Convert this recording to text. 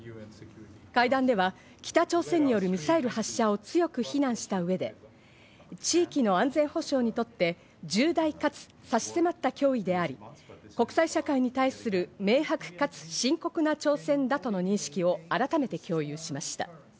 会談では北朝鮮によるミサイル発射を強く非難した上で、地域の安全保障にとって重大かつ差し迫った脅威であり、国際社会に対する明白かつ深刻な挑戦だとの認識を改めて共有しました。